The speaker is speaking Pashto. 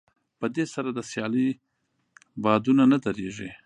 په دې سره د سيالۍ بادونه نه درېږي.